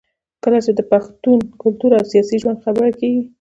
کله چې د پښتون کلتور او سياسي ژوند خبره کېږي